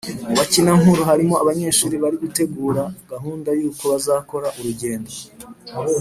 mu bakinankuru harimo abanyeshuri bari gutegura gahunda y’uko bazakora urugendo